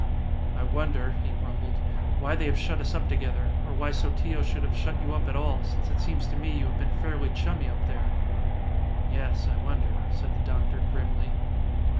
"I wonder," he grumbled, "why they have shut us up together, or why Sotillo should have shut you up at all, since it seems to me you have been fairly chummy up there?" "Yes, I wonder," said the doctor grimly.